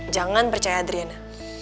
jangan percaya adriana